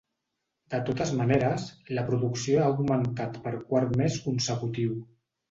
De totes maneres, la producció ha augmentat per quart mes consecutiu.